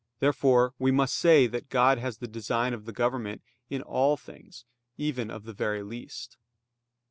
Therefore we must say that God has the design of the government of all things, even of the very least.